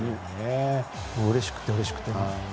うれしくてうれしくて。